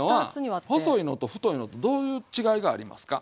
細いのと太いのとどういう違いがありますか？